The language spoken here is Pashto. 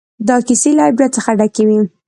دا کیسې له عبرت څخه ډکې وې.